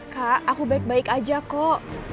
kak aku baik baik aja kok